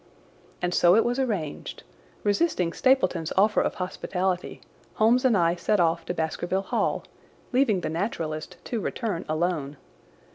And so it was arranged. Resisting Stapleton's offer of hospitality, Holmes and I set off to Baskerville Hall, leaving the naturalist to return alone.